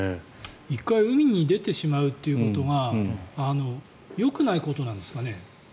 １回海に出てしまうということがよくないことなんですかね。